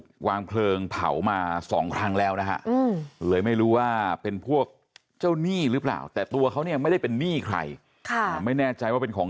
วางเพลิงเผามาสองครั้งแล้วนะฮะเลยไม่รู้ว่าเป็นพวกเจ้าหนี้หรือเปล่าแต่ตัวเขาเนี่ยไม่ได้เป็นหนี้ใครค่ะไม่แน่ใจว่าเป็นของ